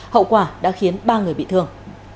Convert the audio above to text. hậu quả đã khiến ba người bị thương